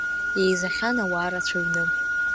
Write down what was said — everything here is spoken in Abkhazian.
Еизахьан ауаа рацәаҩны.